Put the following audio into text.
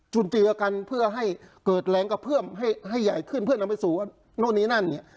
เจอกันเพื่อให้เกิดแรงกระเพื่อมให้ใหญ่ขึ้นเพื่อนำไปสู่นู่นนี่นั่นเนี่ย